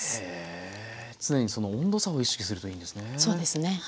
へえ常にその温度差を意識するといいんですね。